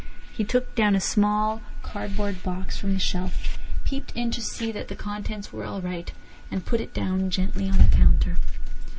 He took down a small cardboard box from a shelf, peeped in to see that the contents were all right, and put it down gently on the counter.